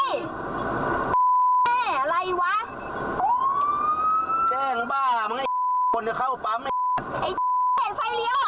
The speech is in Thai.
จะเข้าปั๊มครับ